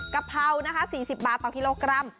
กะเพรานะคะ๔๐บาทต่อกิโลกรัม